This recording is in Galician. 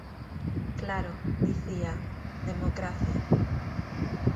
Claro, dicía: democracia.